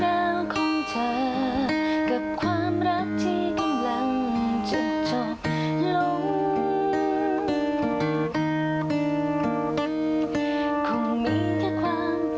แต่ตอนนี้ฉันคิดไม่ไกลแล้วตอบเลยฟังค่ะ